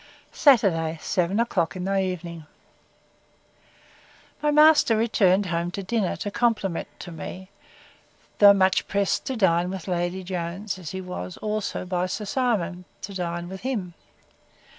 Saturday, seven o'clock in the evening. My master returned home to dinner, in compliment to me, though much pressed to dine with Lady Jones, as he was, also, by Sir Simon, to dine with him.